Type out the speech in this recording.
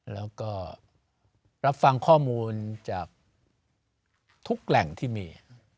แล้วก็รับฟังข้อมูลจากทุกแหล่งที่มี